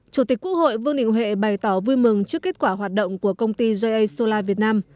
chủ tịch quốc hội vương đình huệ bày tỏ vui mừng trước kết quả hoạt động của công ty jea solar việt nam